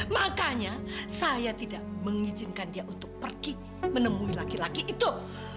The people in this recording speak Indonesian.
makanya saya tidak mengizinkan dia untuk pergi menemui laki laki itu